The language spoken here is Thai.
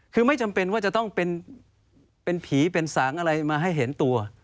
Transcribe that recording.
คือไม่จำเป็นว่าจะต้องเป็นผีเป็นสางอะไรมาให้เห็นตัว